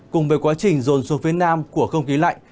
cùng với quá trình rồn xuống phía nam của không khí lạnh